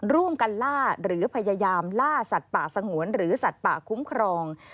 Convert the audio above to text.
ร่วมกันล่าหรือพยายามล่าสัตว์ป่าสงวนหรือสัตว์ป่าคุ้มครอง